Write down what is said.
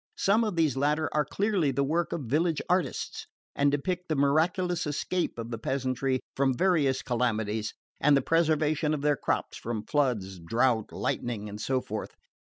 Some of these latter are clearly the work of village artists, and depict the miraculous escape of the peasantry from various calamities, and the preservation of their crops from floods, drought, lightning and so forth.